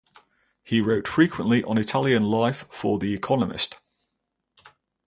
He wrote frequently on Italian life for "The Economist".